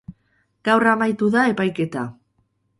Gaur amaitu da epaiketa.